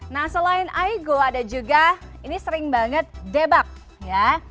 nah selain aigo ada juga ini sering banget debak ya